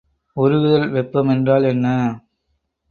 உருகுதல் வெப்பம் என்றால் என்ன?